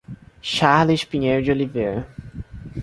Charles Pinheiro de Oliveira